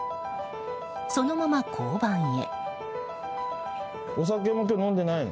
そのまま交番へ。